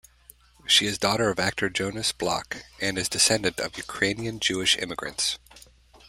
She is daughter of actor Jonas Bloch, and is descendant of Ukrainian Jewish immigrants.